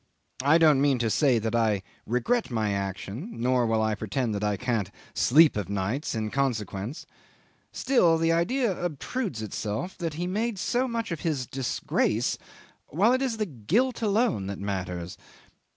I don't mean to say that I regret my action, nor will I pretend that I can't sleep o' nights in consequence; still, the idea obtrudes itself that he made so much of his disgrace while it is the guilt alone that matters.